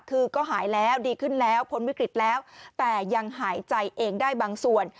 คือก็หายแล้วดีขึ้นแล้วพ้นวิกฤตแล้วแต่ยังหายใจเองได้บางส่วน